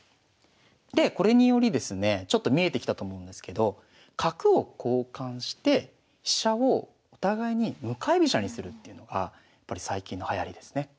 でこれによりですねちょっと見えてきたと思うんですけど角を交換して飛車をお互いに向かい飛車にするっていうのがやっぱり最近のはやりですね。